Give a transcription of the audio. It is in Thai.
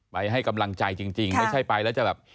ให้กำลังใจจริงไม่ใช่ไปแล้วจะแบบ